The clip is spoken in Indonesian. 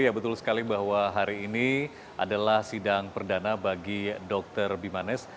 ya betul sekali bahwa hari ini adalah sidang perdana bagi dr bimanes